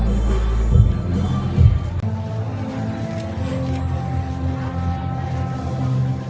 สโลแมคริปราบาล